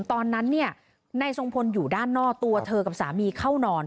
ตอนนั้นเนี่ยนายทรงพลอยู่ด้านนอกตัวเธอกับสามีเข้านอน